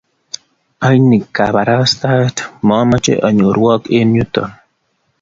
ang'ii kabarastaet mamache anyorwok eng yuto